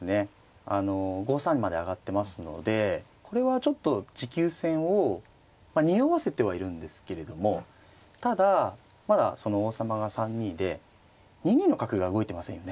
５三にまで上がってますのでこれはちょっと持久戦をにおわせてはいるんですけれどもただまだその王様が３二で２二の角が動いてませんよね。